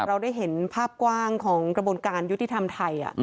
เราได้เห็นภาพกว้างของกระบวนการยุติธรรมไทย